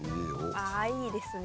あぁいいですね。